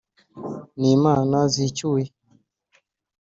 N’imana zicyuye,